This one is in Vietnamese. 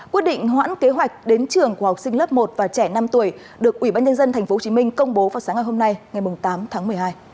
quyết định hoãn kế hoạch đến trường của học sinh lớp một và trẻ năm tuổi được ubnd tp hcm công bố vào sáng hôm nay ngày tám tháng một mươi hai